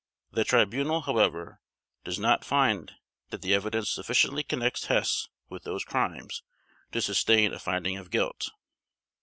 The Tribunal, however, does not find that the evidence sufficiently connects Hess with those crimes to sustain a finding of guilt.